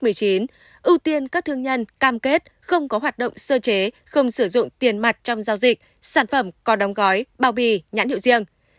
ưu tiên các thương nhân cam kết không có hoạt động sơ chế không sử dụng tiền mặt trong giao dịch sản phẩm có đóng gói bao bì nhãn hiệu riêng